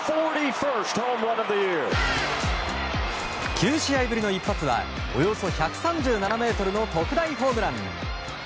９試合ぶりの一発はおよそ１３７ｍの特大ホームラン！